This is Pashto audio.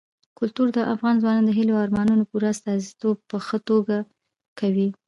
کلتور د افغان ځوانانو د هیلو او ارمانونو پوره استازیتوب په ښه توګه کوي.